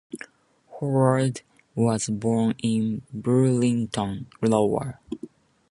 Howard was born in Burlington, Iowa.